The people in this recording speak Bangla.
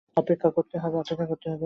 অপেক্ষা করতে হবে।